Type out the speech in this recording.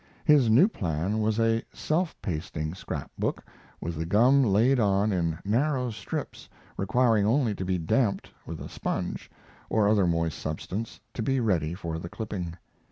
His new plan was a self pasting scrap book with the gum laid on in narrow strips, requiring only to be dampened with a sponge or other moist substance to be ready for the clipping.